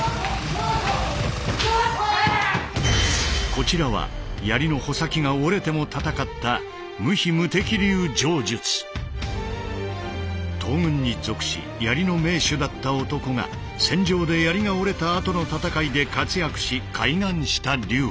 こちらは槍の穂先が折れても戦った東軍に属し槍の名手だった男が戦場で槍が折れたあとの戦いで活躍し開眼した流派。